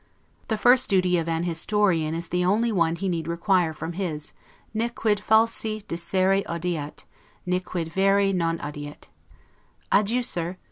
The first duty of an historian is the only one he need require from his, 'Ne quid falsi dicere audeat, ne quid veri non audeat'. Adieu, Sir!